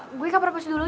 eh gue ke perkus dulu ya